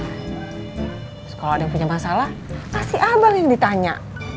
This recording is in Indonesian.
terus kalau ada yang punya masalah kasih abang yang ditanya